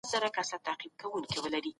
موږ بايد د هېواد د ابادۍ لپاره فکر وکړو.